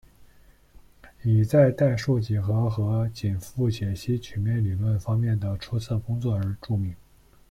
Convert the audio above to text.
以在代数几何和紧复解析曲面理论方面的出色工作而著名。